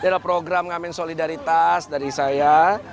ini adalah program ngamen solidaritas dari saya